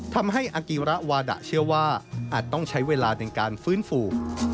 ทำให้อากีระวาดะเชื่อว่าอาจต้องใช้เวลาในการฟื้นฟู